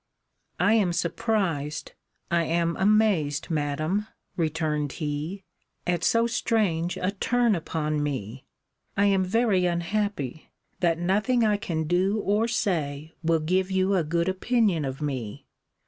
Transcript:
I am surprised! I am amazed, Madam, returned he, at so strange a turn upon me! I am very unhappy, that nothing I can do or say will give you a good opinion of me!